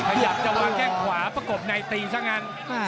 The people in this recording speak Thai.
ถ้าอยากจะวางแค่ขวาประกบในตีซะงั้น